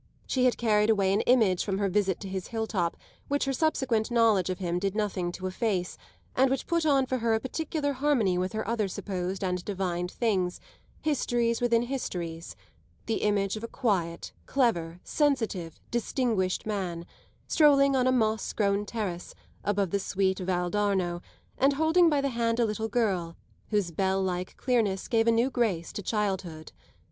She had carried away an image from her visit to his hill top which her subsequent knowledge of him did nothing to efface and which put on for her a particular harmony with other supposed and divined things, histories within histories: the image of a quiet, clever, sensitive, distinguished man, strolling on a moss grown terrace above the sweet Val d'Arno and holding by the hand a little girl whose bell like clearness gave a new grace to childhood.